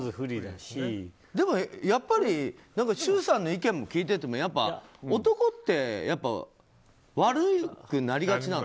でも、やっぱり周さんの意見も聞いていると男って悪くなりがちなの？